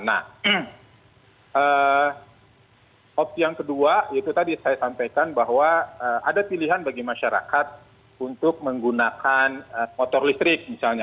nah opsi yang kedua itu tadi saya sampaikan bahwa ada pilihan bagi masyarakat untuk menggunakan motor listrik misalnya